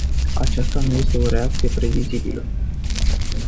Aceasta nu este o reacție previzibilă.